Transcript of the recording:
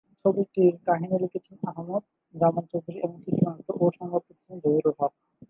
ছবিটির কাহিনী লিখেছেন আহমদ জামান চৌধুরী এবং চিত্রনাট্য ও সংলাপ লিখেছেন জহিরুল হক।